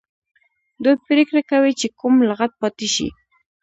دوی پریکړه کوي چې کوم لغت پاتې شي.